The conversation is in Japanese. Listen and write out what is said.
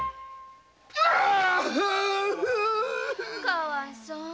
かわいそう。